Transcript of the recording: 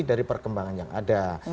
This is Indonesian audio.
dari perkembangan yang ada